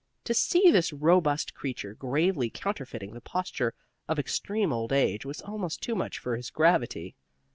To see this robust creature gravely counterfeiting the posture of extreme old age was almost too much for his gravity.